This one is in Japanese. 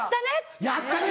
やったね！